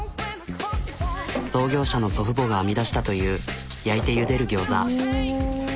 創業者の祖父母が編み出したという焼いてゆでる餃子。